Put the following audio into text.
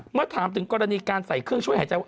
เมื่อถามถึงกรณีการใส่เครื่องช่วยหายใจว่า